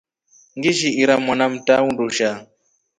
Ngiishi ira mwana mta undushaa.